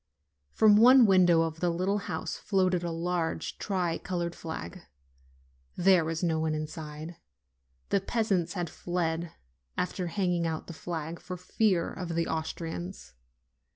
From one window of the little house floated a large tri colored flag. There was no one in side : the peasants had fled, after hanging out the flag, for fear of the Austrians.